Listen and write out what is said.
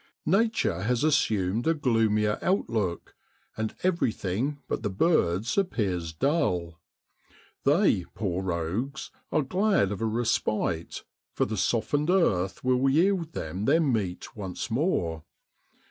Nature has assumed a gloomier outlook, and everything but the birds appears dull ; they, poor rogues, are glad of a respite, for the softened earth will yield them their meat once more.